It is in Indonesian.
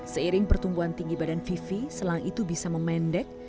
seiring pertumbuhan tinggi badan vivi selang itu bisa memendek